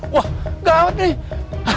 wah gawat nih